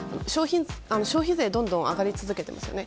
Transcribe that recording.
消費税はどんどん上がり続けていますよね。